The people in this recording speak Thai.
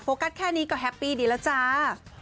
กัสแค่นี้ก็แฮปปี้ดีแล้วจ้า